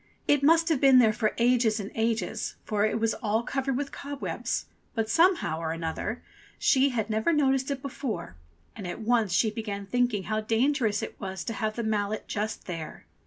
It must have been there for ages and ages, for it was all covered with cobwebs ; but somehow or another she had 103 104 ENGLISH FAIRY TALES never noticed it before, and at once she began thinking how dangerous it was to have the mallet just there.